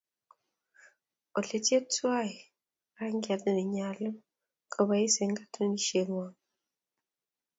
Oletyei tuwai rangiyat nenyaluu kobois eng katunisyengwong.